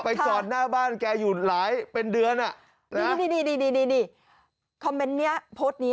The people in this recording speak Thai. จอดหน้าบ้านแกอยู่หลายเป็นเดือนนี่คอมเมนต์นี้โพสต์นี้